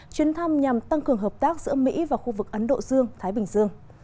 chuyến thăm nhằm tăng cường hợp tác giữa mỹ và khu vực ấn độ dương thái bình dương